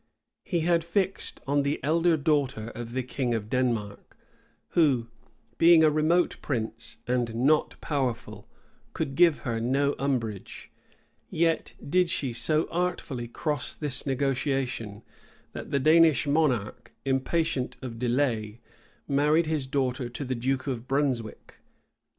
He had fixed on the elder daughter of the king of Denmark, who, being a remote prince and not powerful, could give her no umbrage; yet did she so artfully cross this negotiation, that the Danish monarch, impatient of delay, married his daughter to the duke of Brunswick.